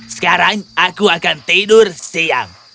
sekarang aku akan tidur siang